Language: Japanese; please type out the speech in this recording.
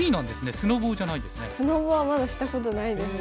スノボはまだしたことないですね。